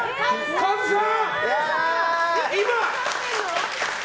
カズさん！